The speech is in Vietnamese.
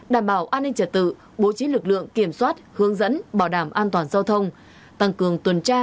đảm bảo an ninh trật tự bố trí lực lượng kiểm soát hướng dẫn bảo đảm an toàn giao thông tăng cường tuần tra